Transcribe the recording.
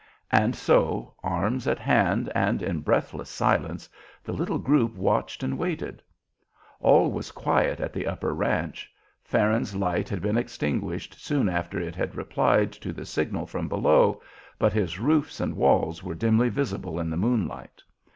And so, arms at hand and in breathless silence, the little group watched and waited. All was quiet at the upper ranch. Farron's light had been extinguished soon after it had replied to the signal from below, but his roofs and walls were dimly visible in the moonlight.